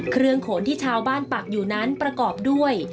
โขนที่ชาวบ้านปักอยู่นั้นประกอบด้วย